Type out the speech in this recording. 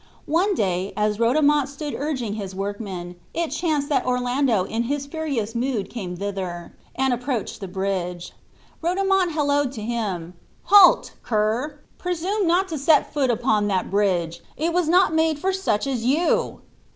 One day, as Rodomont stood urging his workmen, it chanced that Orlando in his furious mood came thither, and approached the bridge. Rodomont halloed to him, "Halt, churl; presume not to set foot upon that bridge; it was not made for such as you!"